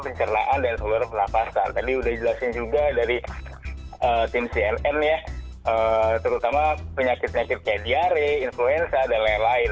pencernaan dan seluruh pernafasan tadi udah jelasin juga dari tim cnn ya terutama penyakit penyakit kayak diare influenza dan lain lain